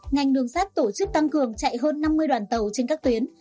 ngành đường sắt tổ chức tăng cường chạy hơn năm mươi đoàn tàu trên các tuyến